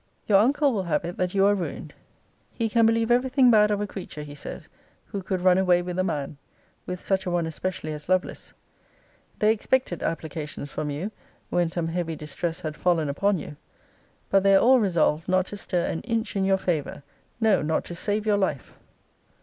Your uncle will have it that you are ruined. 'He can believe every thing bad of a creature, he says, who could run away with a man; with such a one especially as Lovelace. They expected applications from you, when some heavy distress had fallen upon you. But they are all resolved not to stir an inch in your favour; no, not to save your life!'